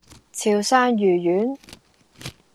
潮汕魚丸